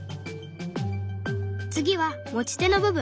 次は持ち手の部分。